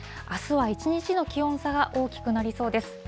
あすは一日の気温差が大きくなりそうです。